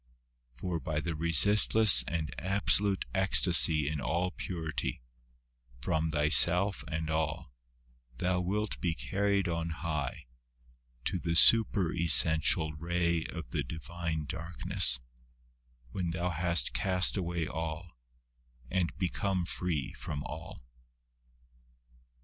For by the resistless and absolute ecstasy in all purity, from thyself and all, thou wilt be carried on high, to the superessential ray of the Divine darkness, when thou hast cast away all, and become free from all.